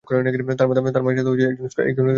তার মাতা একজন স্কুল শিক্ষক ছিলেন।